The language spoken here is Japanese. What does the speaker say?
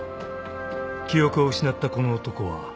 ［記憶を失ったこの男は］